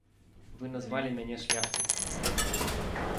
Вы назвалі мяне шляхціцам.